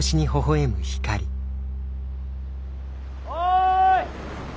おい！